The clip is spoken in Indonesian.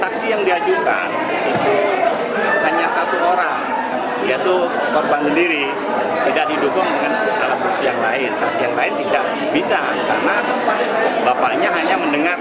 karena bapaknya hanya mendengarkan tidak tahu